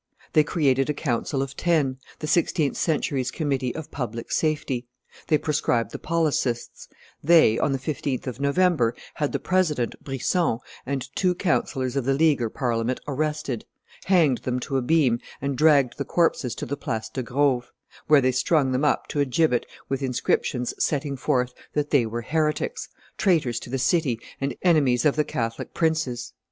They created a council of ten, the sixteenth century's committee of public safety; they proscribed the policists; they, on the 15th of November, had the president, Brisson, and two councillors of the Leaguer Parliament arrested, hanged them to a beam and dragged the corpses to the Place de Grove, where they strung them up to a gibbet with inscriptions setting forth that they were heretics, traitors to the city and enemies of the Catholic princes.